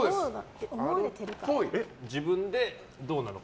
自分でどうなのか。